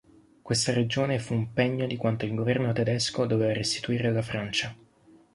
Questa regione fu un "pegno" di quanto il governo tedesco doveva restituire alla Francia.